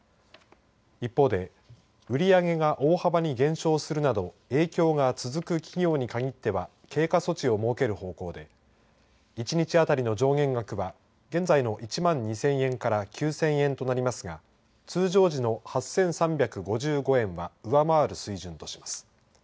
一方で売り上げが大幅に減少するなど影響が続く企業に限っては経過措置を設ける方向で１日当たりの上限額は現在の１万２０００円から９０００円となりますが通常時の８３５５円は上回る水準とします。